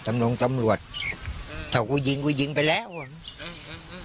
เออเออตำรวจเออถ้ากูยิงกูยิงไปแล้วเออเออเออ